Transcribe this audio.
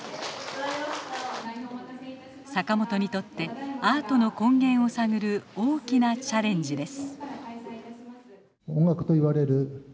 坂本にとってアートの根源を探る大きなチャレンジです。